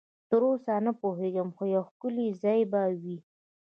تراوسه نه پوهېږم، خو یو ښکلی ځای به وي.